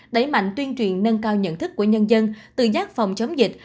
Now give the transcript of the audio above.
đẩy mạnh tuyên truyền nâng cao nhận thức của nhân dân tự giác phòng chống dịch